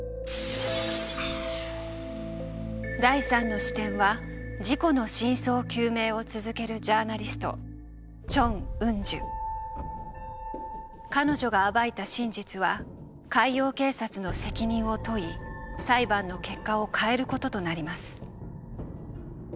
第３の視点は事故の真相究明を続けるジャーナリスト彼女が暴いた真実は海洋警察の責任を問い裁判の結果を変えることとなります。